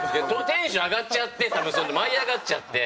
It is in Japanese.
テンション上がっちゃって多分舞い上がっちゃって。